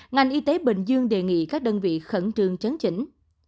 ngành y tế bình dương đề nghị các đơn vị khẩn trương chấn chỉnh